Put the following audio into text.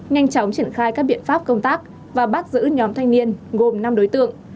nhanh chóng triển khai các biện pháp công tác và bắt giữ nhóm thanh niên gồm năm đối tượng